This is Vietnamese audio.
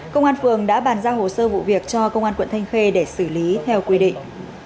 công an phường đã bàn giao hồ sơ vụ việc cho công an quận thanh khê để xử lý theo quy định